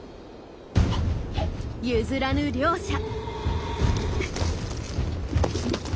譲らぬ両者。